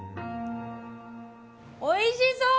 おいしそう！